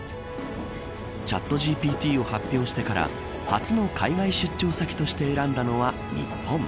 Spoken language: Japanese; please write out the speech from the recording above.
チャットＧＰＴを発表してから初の海外出張先として選んだのは日本。